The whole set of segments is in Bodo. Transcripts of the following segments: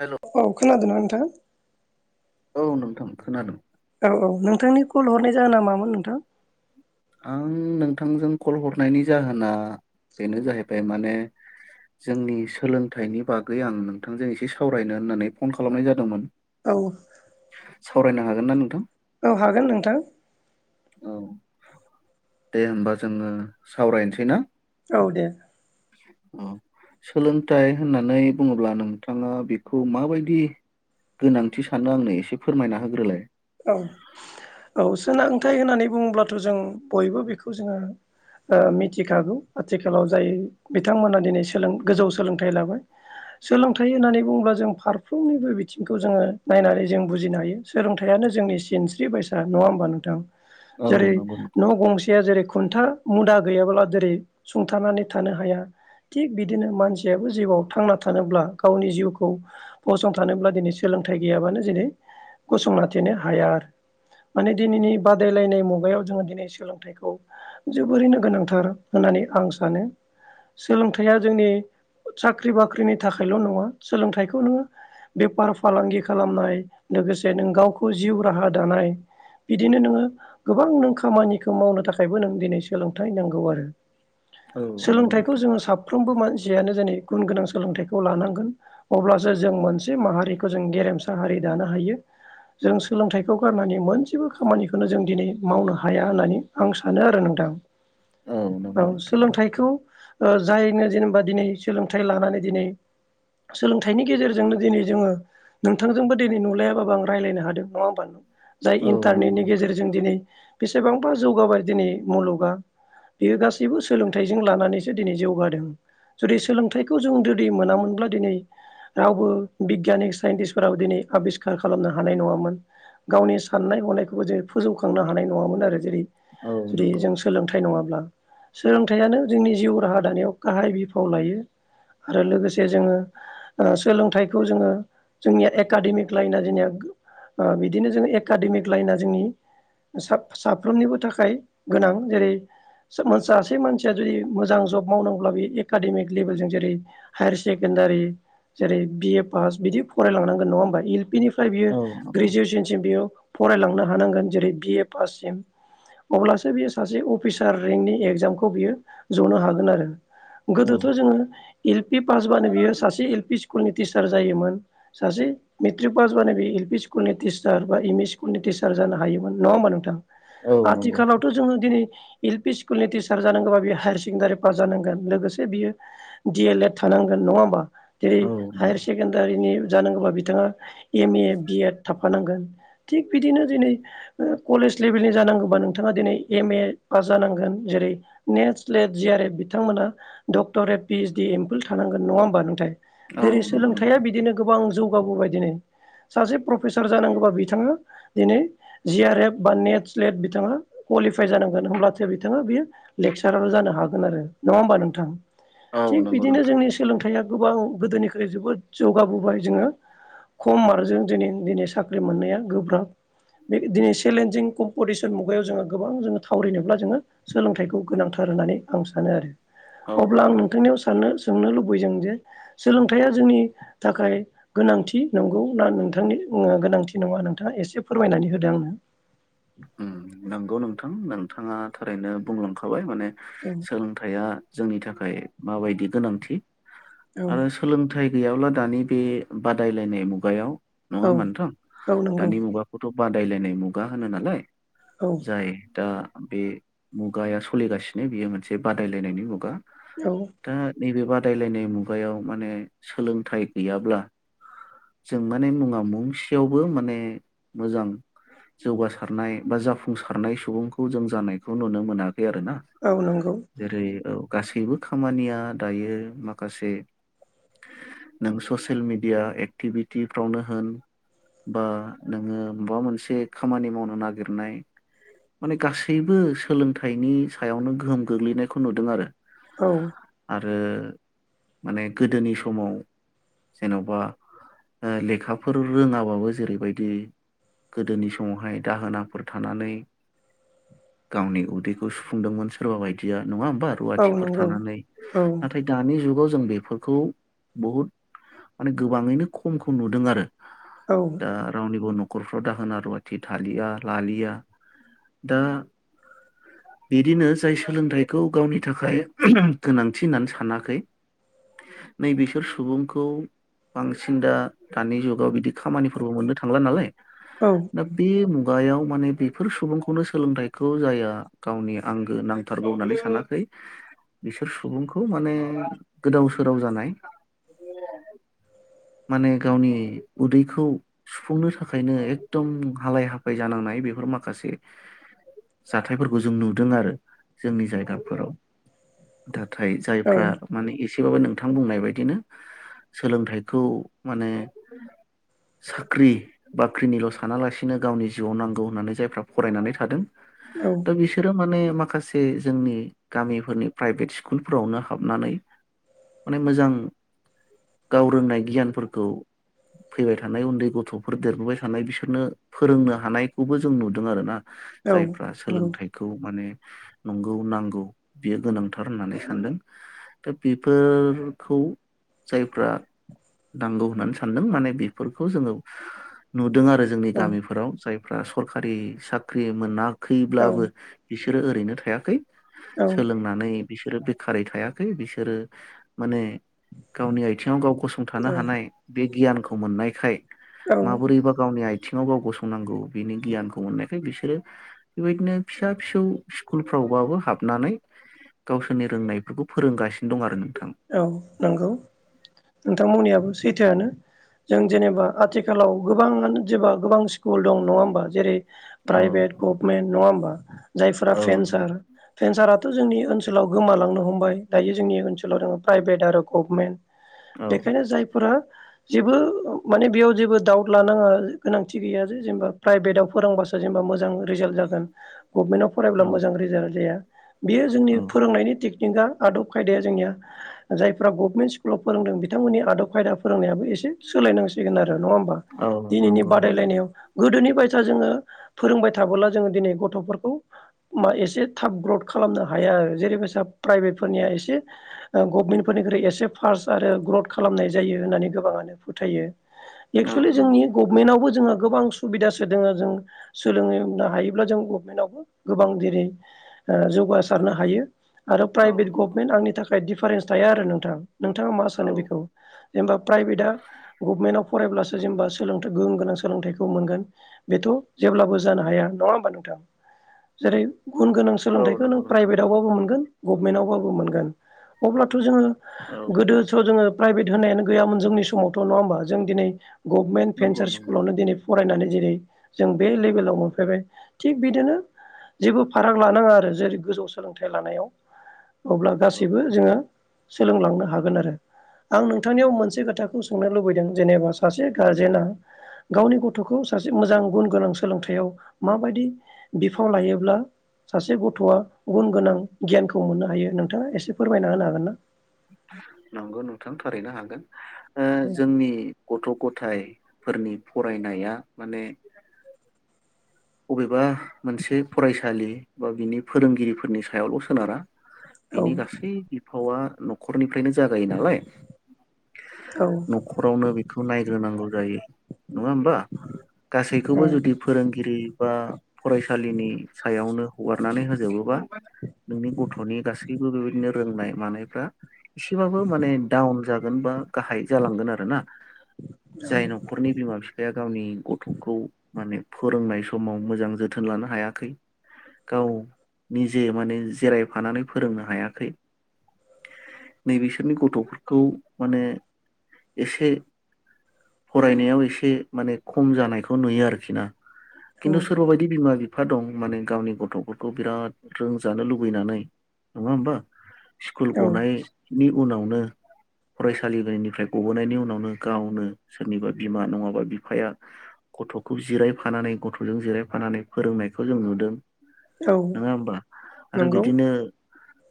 हेल' औ खोनादों ना नोंथां औ नोंथां खोनादों औ-औ नोंथांनि कल हरनाय जागोना मामोन नोंथां आं नोंथांजों कल हरनायनि जाहोना बेनो जाहैबाय माने जोंनि सोलोंथाइनि बागै आं नोंथांजों एसे सावरायनो होननानै फन खालामनाय जादोंमोन औ सावरायनो हागोन ना नोंथां औ हागोन नोंथां औ दे होमबा जोङो सावरायनोसै ना औ दे औ सोलोंथाइ होननानै बुङोब्ला नोंथाङा बेखौ माबायदि गोनांथि सानो आंनो एसे फोरमायना होग्रोलाय औ औ सोलोंथाइ होननानै बुङोब्लाथ' जों बयबो बेखौ जोङो मिथिखागौ आथिखालाव जाय बिथांमोना दिनै सोलों गोजौ सोलोंथाइ लाबाय सोलोंथाइ होननानै बुङोब्ला जों फारफ्रोमनिबो बिथिंखौ जोङो नायनानै जों बुजिनो हायो सोलोंथाइ यानो जोंनि सिनस्रि बायसा नङा होमबा नोंथां औ जेरै नंगौ नोंथां न' गंसेया जेरै खुन्था मुदा गैयाब्ला जेरै सुंथानानै थानो हाया थिग बिदिनो मानसियाबो जिउआव थांना थानोब्ला गावनि जिउखौ फसं थानोब्ला दिनै सो लोंथाइ गैयाबानो जेरै गसंना थानो हाया आरो माने दिनैनि बादायलायनाय मुायाव जोङो दिनै सोलोंथाइखौ जोबोरैनो गोनांथार होननानै आं सानो सोलोंथाइया जोंनि साख्रि बाख्रिनि थाखायल' नङा सोलोंथाइखौ नोङो बेफार फालांगि खालामनाय लोगोसे नों गाव खौ जिउ राहा दानाय बिदिनो नोङो गोबां नों खामानिखौ मावनो थाखायबो नों दिनै सोलोंथाइ नांगौ आरो औ नंगौ सोलोंथाइखौ नोंथां जोङो साफ्रोमबो मानसि यानो जोंनि गुन गोनां सोलोंथाइखौ लानांगोन अब्लासो जों मोनसे माहारिखौ जों गेरेम साहारि दानो हायो जों सोलोंथाइखौ गारनानै मोनसेबो खामानिखौनो जों दिनै मावनो हाया होननानै आं सानो आरो नोंथां औ नंगौ नोंथां सोलोंथाइखौ ओ जायनो जेनेबा दिनै सोलोंथाइ लानानै दिनै सोलोंथाइनि गेजेरजोंनो दिनै जोङो नोंथांजोंबो दिनै नुलायाबाबो आं रायज्लायनो हादों नङा होनबा नोंथां जाय औ इन्टारनेटनि नंगौ गेजेरजों दिनै बेसेबांबा जौगाबाय दिनै मुलुगा बेयो गासैबो सोलोंथाइजों लानानैसो दिनै जौगादों जुदि सोलोंथाइखौ जों जुदि मोनामोनब्ला दिनै रावबो बिगियाननि साइन्टिसफोराबो दिनै आबिस्कार खालामनो हानाय नङामोन गावनि साननाय हनायखौबो जे फोजौखांनो हानाय नङामोन आरो जेरै औ जुदि नंगौ जों सोलोंथाइ नङाब्ला सोलोंथाइयानो जोंनि जिउ राहा दानायाव गाहाय बिफाव लायो आरो लोगोसे जोङो सोलोंथाइखौ जोङो जोंनिया एकाडेमिक लाइना जोंनिया [inaudible] ओ बिदिनो जों एकाडेमिक लाइना जोंनि साब-साफ्रोमनिबो थाखाय गोनां जेरै सासे मानसिया जुदि मोजां जब मावदोंब्ला बे एकाडेमिक लेभेलजों जेरै हायार सेकेण्डारि जेरै बि ए फास बिदि फराय लांनांगोन नंङा होनबा फ्राय बियो औ नंगौ ग्रेजुवेसनसिम बियो फरायलांनो हानांगोन जेरै बि ए फाससिम अब्लासो बियो सासे अफिसार रेंंकनि एग्जामखौ बियो जनो हागोन आरो औ गोदोथ' जोङो एल पि पासबानो बियो सासे एल पि स्कुल नि टिचार जायोमोन सासे मेट्रिक पास बानो बे एल पि स्कुल स्कुलनि टिचार बा एम इ स्कुलनि टिचार जानो हायोमोन नङा होमबा नोंथां औ नंगौ आथिखालाथ' जोङो दिनै एल पि स्कुल नि टिचार जानांगौबा बियो हायार सेकेण्डारि पास जानांगोन लोगोसे बियो डि एल एड थानांगोन नङा होमबा जेरै औ नंगौ हायार सेकेण्डारिनि जानांगौबा बिथाङा एम ए बि एड थाफानांगोन थिग बिदिनो दिनै कलेज लेभेलनि जानांगौबा नोंथाङा दिनै एम ए पास जानांगोन जेरै नेटस लेट जि आर एफ बिथांमोना doctorate P S D MPhil थानांग नगां होनबा नोथाय औ जेरै नंगौ सोलोंथाया नोंथां बिदिनो गोबां जौगाबोबाय दिनै सासे प्रफेसार जानांगौबा बिथाङा दिनै जि आर एफ बा नेट स्लेट बिथाङा क्वालिफाइ जानांगौ होमब्लासो बिथाङा बेयो लेक्सारार जानो हागोन आरो नङा होमबा नोंथां औ थिग नंगौ बिदिनो नोंथां जोंनि सोलोंथाइया गोबां गोदोनिख्रुइ जोबोद जौगाबोबाय जोङो खम आरो जों दिनै दिनै साख्रि मोननाया गोब्राब बे दिनै चेलेन्जिं कम्पिटिसन मुगायाव, जोङो गोबां जोङो थावरिनोब्ला जोङो सोलोंथाइखौ गोनांथार। नानै आं सानो आरो औ अब्ला आं नंगौ नोंथांनियाव सनो सोंनो लुबै दों जे सोलोंथाइया जोंनि थाखाय गोनांथि नंगौ ना नोंथांनि गोनांथि नङा नोंथाङा एसे फोरमायनानै होदो आंनो। उम नंगौ नोंथां । नोंथाङा थारैनो बुंलांखाबाय माने औ सोलोंथाइया जोंनि थाखाय माबायदि गोनांथि औ आरो सोलोंथ सोलोंथाइ गैयाब्ला दानि बे बादायलायनाय मुगायाव नङा औ होनबा नोथां, औ नंगौ दानि मुगाखौथ' बादायलायनाय मुगा होनो नालाय, औ जाय दा बे मुगाया सलिगासिनो, बियो मोनसे बादायलायनायनि मुगा औ । दा नैबे बादायलायनाय मुगायाव माने सोलोंथाइ गैयाब्ला जों माने मुङा मुंसेयावबो माने मोजां जौगासारनाय बा जाफुंसारनाय सुबुंखौ जों जानायखौ नुनो मोनाखै आरो ना औ नंगौ ।जेरै औ गासैबो खामानिया दायो माखासे नों ससियेल मिडिया एक्टिभिटिफ्रावनो होन बा नोङो माबा मोनसे खामानि मावनो नागिरनाय। माने गासैबो सोलोंथाइनि सायावनो गोहोम गोग्लैनायखौ नुदों आरो । औ आरो माने गोदोनि समाव जेन'बा लेखाफोर रोङाबाबो, जेरैबायदि गोदोनि समावहाय दाहोना फोर थानानै गावनि उदैखौ सुफुंदोंमोन सोरबा बायदिया । नङा होमबा । औ रुवाथिफोर नंगौ थानानै, औ नाथाय दानि जुगाव जों बेफोरखौ बहुद माने गोबाङैनो खमखौ नुदों आरो औ दा रावनिबो न'खरफ्राव दाहोना रुवाथि थालिया । लालिया दा बिदिनो जाय सोलोंथाइखौ गावनि थाखाय गोनांथि होननानै सानाखै नै बिसोर सुबुंखौ बांसिन दा दानि जुगाव बिदि खामानिफोरबो मोननो थांला नालाय औ दा बे मुगायाव माने बेफोर सुबुंखौनो सोलोंथाइखौ जाया गावनि आंगो नांथारगौ होननानै सानाखै बिसोर सुबुंखौ माने गोदाव सोराव जानाय [inaudible] माने गावनि उदैखौ सुफुंनो थाखायनो एकदम हालाय हाफाय जानांनाय बेफोर माखासे जाथायफोरखौ जों नुदों आरो जोंनि जायगाफोराव दा नाथाय औ जायफ्रा माने एसे थिबाबो नोंथां बुंनाय बायदिनो सोलोंथाइखौ माने साख्रि बाख्रिनिल' सानालासिनो गावनि जिउआव नांगौ होननानै जायफ्रा फरायनानै थादों नंगौ दा बिसोरो माने माखासे जोंनि गामिफोरनि प्राइभेट स्कुलफोरावनो हाबनानै माने मोजां गाव रोंनाय गियानफोरखौ फैबाय थानाय उन्दै गथ'फोर देरबोबाय थानाय बिसोरनो फोरोंनो हानायखौबो जों नुदों आरो ना औ जायफ्रा सोलोंथाइखौ माने नंगौ नांगौ बियो गोनांथार होननानै सानदों दा बेफोरखौ जायफ्रा नांगौ होननानै सानदों माने बेफोरखौ जोङो नुदों आरो जोंनि गामिफोराव जायफ्रा सरखारि साख्रि मोनाखैब्लाबो बि बिसोरो ओरैनो थायाखै सोलोंनानै बिसोरो बेखारै थायाखै बिसोरो माने गावनि आथिङाव गाव गसंथानो औ हानाय बे गियानखौ मोननायखाय औ माबोरैबा गावनि आथिंङाव गाव गसं नांगौ बिनि गियानखौ मोननायखाय बिसोरो बेबायदिनो फिसा फिसौ स्कुलफ्रावबाबो हाब नानै गावसोरनि रोंनायफोरखौ फोरोंगासिनो दं आरो नोंथां औ नंगौ नोंथांमोननियाबो सैथोआनो। जों जेनेबा आथिखालाव गोबाङानो जेबा गोबां स्कुल दं नङा होमबा जेरै औ प्राइभेट गभमेन्ट नङा होमबा जायफोरा औ फेनसार फेनसारा थ' जोंनि ओनसोलाव गोमालांनो हमबाय दायो जोंनि ओनसोलाव दङ प्राइभेट आरो गभमेन्ट। औ बेखायनो जायफोरा जेबो माने बेयाव जेबो डाउद लानाङा। गोनांथि गैया जे जेनेबा प्राइभेटाव फोरोंबासो जेनेबा मोजां रिजाल्ट जागोन। गभमेन्टआव फरायब्ला औ मोजां रिजाजाल्ट जाया। बेयो जोंनि औ फोरोंनायनि टेकनिकआ आदब खायदाया जोंनिया जायफ्रा गभमेन्ट स्कुलाव फोरोंदों बिथांमोननि आदब खायदा फोरोंनायाबो एसे सोलायनांसिगोन आ रो नङा होमा औ दिनैनि नंगौ नंगौ बादायलायनायाव गोदोनि बायसा जोङो फोरोंबाय थाबोला जोङो दिनै गथ'फोरखौ मा एसे थाब ग्रथ खालामनो हा हाया जेरैबायसा प्राइभेटफोरनिया एसे ओ गभमेन्टफोरनिख्रुइ एसे फार्स्ट आरो ग्रथ खालामनाय जायो होननानै गोबाङानो फोथायो। औ एक्सुलि नंगौ जोंनि गभमेन्टआवबो जोङो गोबां सुबिदासो दोङो जों सोलोंनो हायोब्ला जों गभमेन्टआवबो गोबां जेरै ओ जौगासारनो हायो। आरो औ प्राइभेट गभनमेन्ट आंनि थाखाय दिडिफारेन्स थाया आरो नोंथां नोंथाङा मा औ सानो बेखौ? जेनेबा प्राइभेटआ गभमेन्टआव फरायब्लासो जेनेबा सोलोंथाइ गुन गोनां सोलोंथाइखौ मोनगोन बेथ' जेब्लाबो जानो हाया। नङा हबा नोंथां जेरै गुन गोनां औ सोलोंथाइखौ नंगौ नों नोंथां प्राइभेटआवबाबो मोनगोन गभमेन्टआवबाबो मोनगोन अब्लाथ' जोङो औ गोदोथ' जोङो प्राइभेट होनायानो गैयामोन जोंनि समावथ' नङा होमबा जों दिनै गभमेन्ट नंगौ फेन्सार नंगौ स्कुलावनो दिनै फरायनानै जेरै- जों बे लेभेलाव मोनफैबाय थिग बिदिनो। जेबो फाराग लानाङा आरो जेरै- गोजौ सोलोंथाइ लानायाव। अब्ला नंगौ गासैबो जोङो सोलोंलांनो हागोन आरो आं नोंथांनियाव मोनसे खोथा खौ सोंनो लुबैदों जेनेबा सासे गारजेना। गावनि गथ'खौ सासे मोजां गुन गोनां सोलोंथायाइयाव माबायदि बिफाव लायोब्ला। सासे गथ'आ गुन गोनां गियानखौ मोननो हायो नोंथाङा एसे फोरमायना होनो हागोन ना? नंगौ नोंथां थारैनो हागोन ओ जोंनि गथ' ग' थाइ फोरनि फरायनाया माने बबेबा मोनसे फरायसालि बा बिनि फोरोंगिरिफोरनि सायावल' सोनारा। औ बिनि गासै बिफावा न'खरनि फ्रायनो जागायो नालाय औ उम न'खरावनो बेखौ नायग्रोनांगौ जायो। नङा होमबा गासैखौबो जुदि फोरोंगिरि। फा-फरायसालिनि सायावनो हगारनानै होजोबोबा। नोंनि गथ'नि गासैबो बेबायदिनो रोंनाय मानायफ्रा। एसेबाबो माने डाउन जागोन बा गाहाय जालांगोन आरो ना। जाय न'खरनि बिमा-फिफाया गावनि गथ'खौ माने फोरोंनाय स माव मोजां जोथोन लानो हायाखै। गाव निजे माने जिरायफानानै फोरोंनो हायाखै। नैबेसोरनि गथ'फोरखौ माने एसे फरायनायाव एसे माने खम जानायखौ नुयो आरोखि ना। औ खिन्थु सोरबायदि बिमा बि फा दं माने गावनि गथ'फोरखौ बिराद रोंजानो लुबैनानै नङा होमबा। स्कुल औ गनायनि उनावनो। फरायसालिनिफ्राय गबोनायनि उनावनो गावनो सोरनिबा बिमा नङाबा बिफाया। गथ'खौ जिरायफानानै गथ' फोरजों जिरायफानानै फोरोंनायखौ जों नुदों औ नोङा होमबा आरो नंगौ बिदिनो।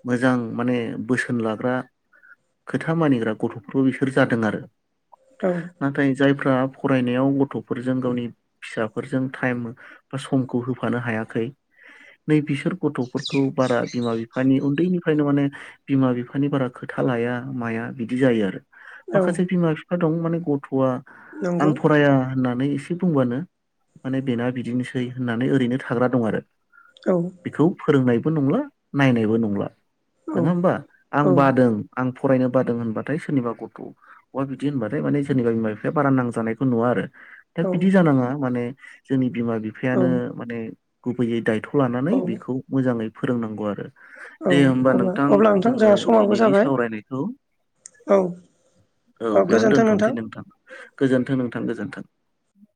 मोजां माने बोसोन लाग्रा खोथा मानिग्रा गथ'फोरनि बिसोर जादों आरो औ नाथाय जायफ्रा फरायनायाव गथ'फोरजों गावनि फिसाफोरजों थायेम समखौ होफानो हायाखै नै बिसोर गथ'फोरखौ बारा बिमा बिफा माने उन्दैनिफ्रायनो माने बिमा बिफानि बारा खोथा लाया माया बिदि जायो आरो औ माखासे बिमा बिफा दं माने गथ'आ आं नंगौ फराया होननानै एसे बुंबानो माने बेना बिदिनोसै होननानै ओरैनो थाग्रा दं आरो औ बेखौ फोरोंनायबो नंला नायनायबो नंला औ नङा होमबा आं औ बादों आं फरायनो बादों होनबाथाय सोरनिबा गथ' बा बिदि होनबाथाय माने सोरनिबा बिमा बिफाया बारा नांजानायखौ नुवा आरो दा औ बिदि जानाङा माने जोंनि बिमा बिफायानो माने गुबैयै दायथ' लानानै औ बेखौ मोजाङै फोरोंनांगौ आरो दे होमबा अब्ला नोंथां अब्ला जोङो जोंहा समाबो दिनैनि जाबाय सावरायनायखौ औ औ बेयावनो दोनथ'नोसै नोंथां गोजोन्थों नोंथां गोजोनथों